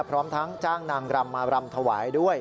พร้อมทั้งจ้างนางรำมารำถวายด้วย